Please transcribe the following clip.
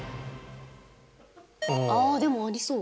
ああでもありそう。